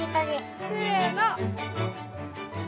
せの！